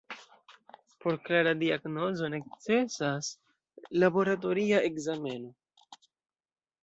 Por klara diagnozo necesas laboratoria ekzameno.